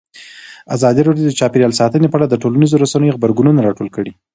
ازادي راډیو د چاپیریال ساتنه په اړه د ټولنیزو رسنیو غبرګونونه راټول کړي.